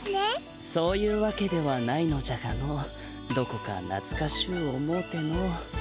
そういうわけではないのじゃがのどこかなつかしゅう思うての。